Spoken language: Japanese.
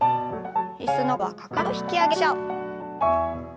椅子の方はかかとを引き上げましょう。